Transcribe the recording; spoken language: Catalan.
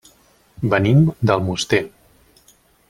Venim d'Almoster.